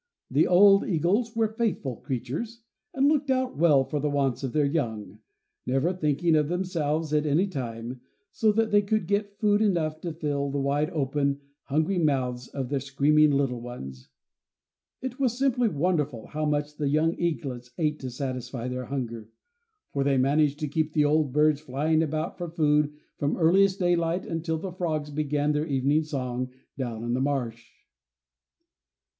The old eagles were faithful creatures, and looked out well for the wants of their young, never thinking of themselves at any time, so that they could get food enough to fill the wide open, hungry mouths of their screaming little ones. It was simply wonderful how much the young eaglets ate to satisfy their hunger; for they managed to keep the old birds flying about for food from earliest daylight until the frogs began their evening song down in the marsh.